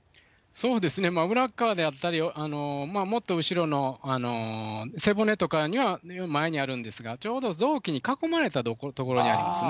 そうですね、裏っ側であったり、まあもっと後ろの背骨とかの前にあるんですが、ちょうど臓器に囲まれた所にありますね。